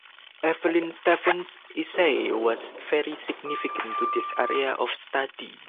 Evelyn Stevens' essay was very significant to this area of study.